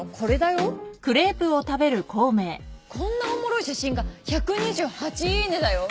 いやこんなおもろい写真が１２８イイネだよ。